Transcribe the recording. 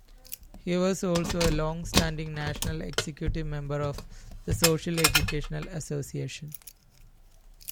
He was also a longstanding national executive member of the Socialist Educational Association.